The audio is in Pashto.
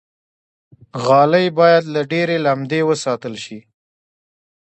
غالۍ باید له ډېرې لمدې وساتل شي.